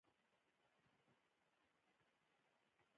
په قلم خبرې ثبتېږي.